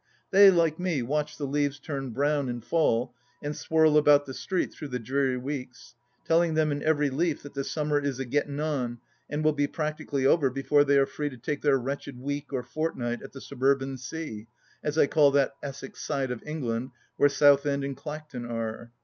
They, like me, watch the leaves turn brown and fall and swirl about the street through the dreary weeks, telling them in every leaf that the summer is a getting on, and wUl be practically over before they are free to take their wretched week or fortnight at the suburban sea, as I call that Essex side of England where Southend and Clacton are.